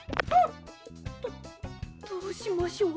どどうしましょう。